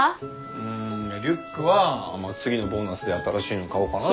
うんリュックは次のボーナスで新しいの買おうかなと。